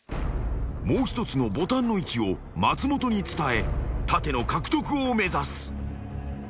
［もう一つのボタンの位置を松本に伝え盾の獲得を目指す］